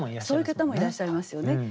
そういう方もいらっしゃいますよね。